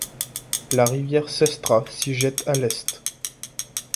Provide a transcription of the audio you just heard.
La rivière Sestra s'y jette à l'est.